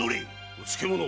うつけ者！